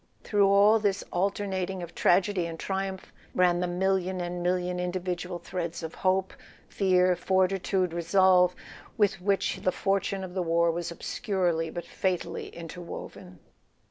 Through all this alternating of tragedy and triumph ran the million and million individual threads of hope, fear, fortitude, resolve, with which the fortune of the war was obscurely but fatally inter¬ woven.